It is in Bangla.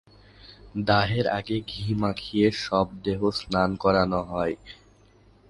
দাহের আগে ঘি মাখিয়ে শবদেহ স্নান করানো হয়।